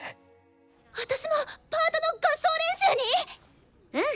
私もパートの合奏練習に⁉うん。